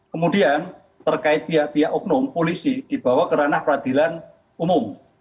kemudian terkait pihak pihak oknum polisi dibawa ke ranah peradilan umum